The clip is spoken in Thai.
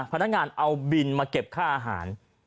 พนักงานเอาบินมาเก็บค่าอาหาร